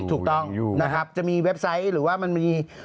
ถูกต้องนะครับจะมีเว็บไซต์หรือว่ามันมี